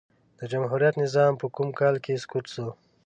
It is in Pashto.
د جمهوريت نظام په کوم کال کی سقوط سو؟